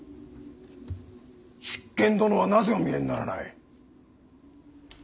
執権殿はなぜお見えにならない。